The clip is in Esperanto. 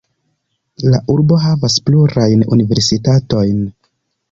La urbo havas plurajn universitatojn.